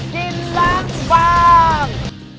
กินร้านฟาง